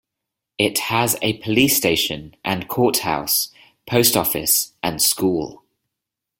It has a police station and court house, post office, and school.